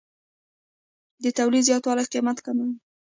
د تولید زیاتوالی قیمت کموي.